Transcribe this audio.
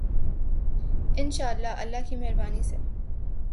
انشاء اللہ، اللہ کی مہربانی سے۔